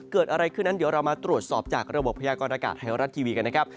เกิดอะไรขึ้นนั้นเดี๋ยวเรามาตรวจสอบจากระบบพยากรณากาศไทยรัฐทีวีกันนะครับ